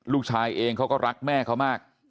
ลูกชายเองเขาก็รักแม่เขามาก